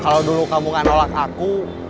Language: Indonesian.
kalau dulu kamu gak nolak aku